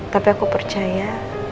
tapi aku percaya